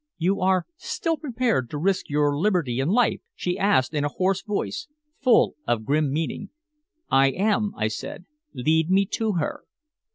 "You are still prepared to risk your liberty and life?" she asked in a hoarse voice, full of grim meaning. "I am," I said. "Lead me to her."